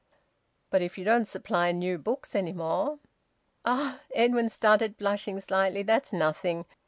"But if you don't supply new books any more?" "Oh!" Edwin stuttered, blushing slightly. "That's nothing.